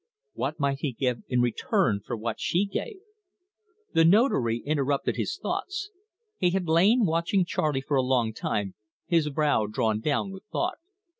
What might he give in return for what she gave? The Notary interrupted his thoughts. He had lain watching Charley for a long time, his brow drawn down with thought.